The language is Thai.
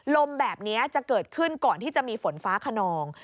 ลมแบบนี้จะเกิดขึ้นก่อนที่จะมีฝนฟ้าขนอง